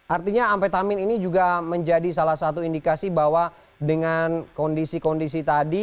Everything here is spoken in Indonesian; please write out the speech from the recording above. artinya amfetamin ini juga menjadi salah satu indikasi bahwa dengan kondisi kondisi tadi